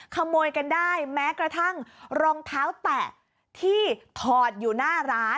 ขโมยกันได้แม้กระทั่งรองเท้าแตะที่ถอดอยู่หน้าร้าน